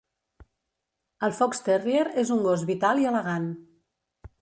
El Fox terrier és un gos vital i elegant.